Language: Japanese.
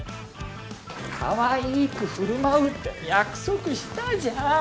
かわいく振る舞うって約束したじゃん！